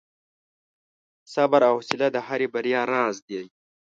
• صبر او حوصله د هرې بریا راز دی.